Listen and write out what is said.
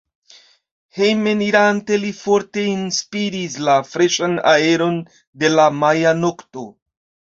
Hejmenirante li forte enspiris la freŝan aeron de la maja nokto.